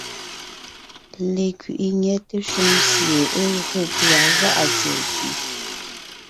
Lekẅiʼi nyɛte shúm sie é gÿo pʉ̀a gá’a tsɛ̀ɛ pì,